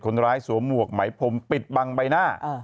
คนร้ายสวมวกไหมพมปิดบังใบหน้า